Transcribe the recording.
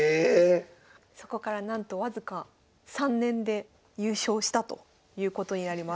そこからなんと僅か３年で優勝したということになります。